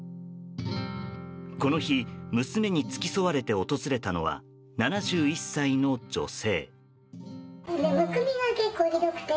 この日娘に付き添われて訪れたのは７１歳の女性。